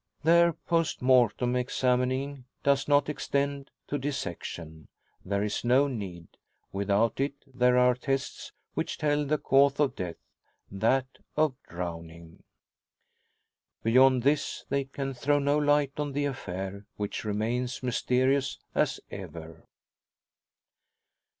Their post mortem examining does not extend to dissection. There is no need. Without it there are tests which tell the cause of death that of drowning. Beyond this they can throw no light on the affair, which remains mysterious as ever.